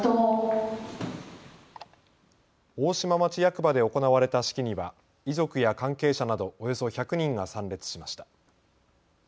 大島町役場で行われた式には遺族や関係者などおよそ１００人が参列しました。